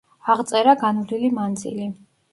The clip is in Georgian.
აღწერა განვლილი მანძილი.